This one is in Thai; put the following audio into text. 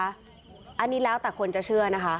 อันนี้แล้วแต่คนจะเชื่อนะคะ